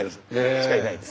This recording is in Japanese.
しかいないです。